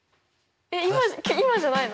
えっ今今じゃないの？